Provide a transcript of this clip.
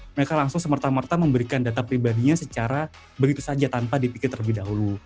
mereka langsung semerta merta memberikan data pribadinya secara begitu saja tanpa dipikir terlebih dahulu